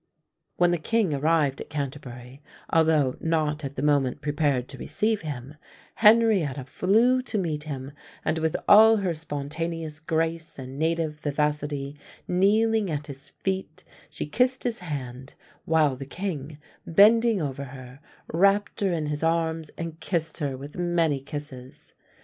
When the king arrived at Canterbury, although not at the moment prepared to receive him, Henrietta flew to meet him, and with all her spontaneous grace and native vivacity, kneeling at his feet, she kissed his hand, while the king, bending over her, wrapped her in his arms, and kissed her with many kisses.